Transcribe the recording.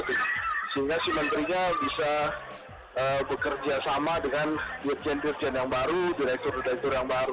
sehingga si menterinya bisa bekerja sama dengan dirjen dirjen yang baru direktur direktur yang baru